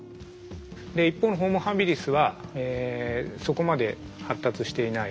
で一方のホモ・ハビリスはそこまで発達していないですね。